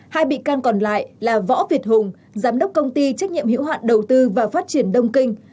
hai bị can còn lại là võ việt hùng giám đốc công ty trách nhiệm hữu hạn đầu tư và phát triển đông kinh